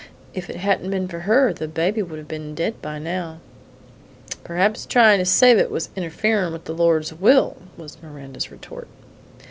If it hadn't been for her, the baby would have been dead by now." "Perhaps tryin' to save it was interferin' with the Lord's will," was Miranda's retort.